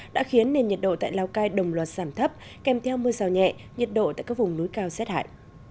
đã khiến nền nhiệt độ tại lào cai đồng loạt giảm thấp kèm theo mưa rào nhẹ nhiệt độ tại các vùng núi cao rét hại